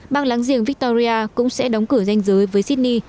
bang láng giềng victoria cũng sẽ đóng cửa danh giới với sydney